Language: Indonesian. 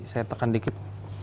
saya tekan dikit